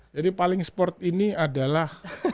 jadi paling sport ini adalah